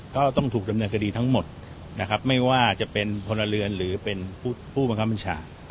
ต้องถูกดำเนินคดีทั้งหมดนะครับไม่ว่าจะเป็นพลเรือนหรือเป็นผู้บังคับบัญชา